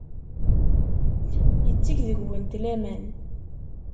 Yetteg deg-went laman.